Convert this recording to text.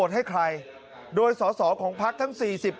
สมัยไม่เรียกหวังผม